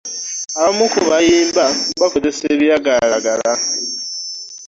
Abamu bayimba bakozesa ebiragalalagala.